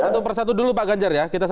kita satu persatu dulu pak gajah ya